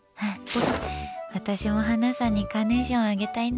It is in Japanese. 私もハナさんにカーネーションあげたいな。